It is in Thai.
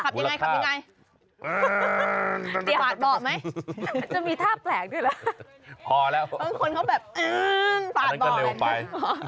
ขับยังไงขับยังไง